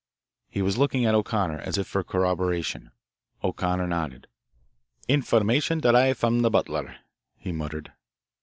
He was looking at O'Connor as if for corroboration. O'Connor nodded. "Information derived from the butler," he muttered.